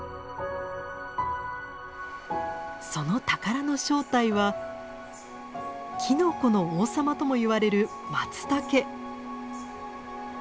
その宝の正体はキノコの王様とも言われるマツタケ。